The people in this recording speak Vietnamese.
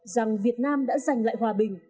rằng việt nam đã giành lại hòa bình